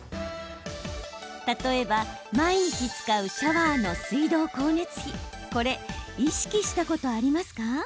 例えば、毎日使うシャワーの水道光熱費これ、意識したことありますか？